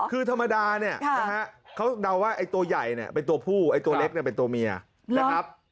คือธรรมดาเนี่ยนะฮะเขาเดาว่าไอ้ตัวใหญ่เนี่ยเป็นตัวผู้ไอ้ตัวเล็กเนี่ยเป็นตัวเมียนะครับ